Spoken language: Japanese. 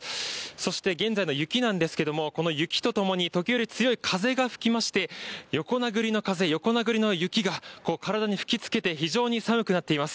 そして現在の雪なんですけども、この雪とともに時折、強い風が吹きまして、横殴りの風、横殴りの雪がこう、体に吹きつけて、非常に寒くなっています。